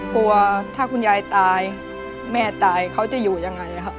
กลัวถ้าคุณยายตายแม่ตายเขาจะอยู่ยังไงค่ะ